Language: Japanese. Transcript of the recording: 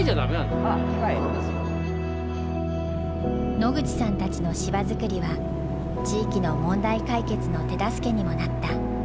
野口さんたちの芝作りは地域の問題解決の手助けにもなった。